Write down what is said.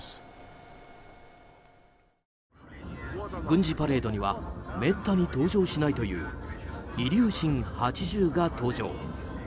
軍事パレードにはめったに登場しないというイリューシン８０が登場。